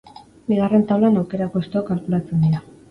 Bigarren taulan, aukera-kostuak kalkulatzen dira.